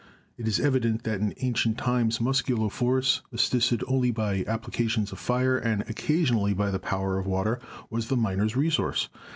It is evident that in ancient times muscular force, as sisted only by applications of fire and occasionally by the power of water, was the miner's resource.